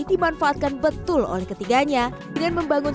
sampai saat nomor dua puluh justru akan agak sedikit muncul